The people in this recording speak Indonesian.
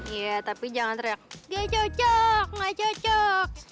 iya tapi jangan teriak dia cocok gak cocok